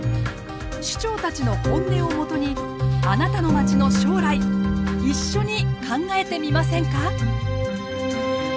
首長たちの本音をもとにあなたのまちの将来一緒に考えてみませんか？